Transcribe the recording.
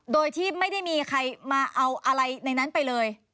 โดยที่ไม่ได้มีใครมาเอาอะไรในนั้นไปเลย